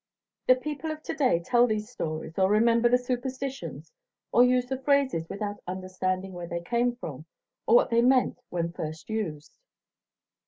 The people of to day tell these stories or remember the superstitions or use the phrases without understanding where they came from or what they meant when first used.